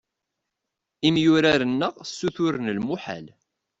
Imyurar-nneɣ ssuturen lmuḥal.